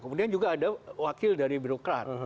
kemudian juga ada wakil dari birokrat